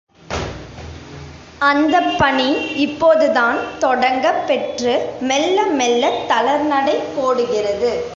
அந்தப் பணி இப்போதுதான் தொடங்கப்பெற்று மெல்ல மெல்லத் தளர்நடை போடுகிறது.